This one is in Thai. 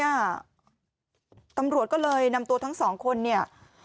ตำรวจก็เลยนำตัวทั้งสองคนเนี่ย